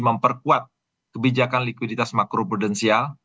memperkuat kebijakan likuiditas makroprudensial